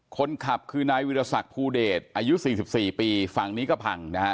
คนขับคือนายวิรสักภูเดชอายุ๔๔ปีฝั่งนี้ก็พังนะฮะ